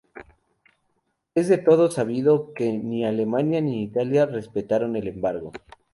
Es de todos sabido que ni Alemania ni Italia respetaron el embargo.